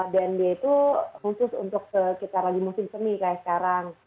dan dia itu khusus untuk kita lagi musim seni kayak sekarang